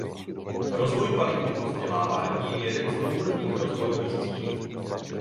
Rozvoj kvalitního vzdělávání je jeden z dlouhodobých rozvojových cílů.